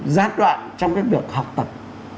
giác đoạn trong cái việc học tập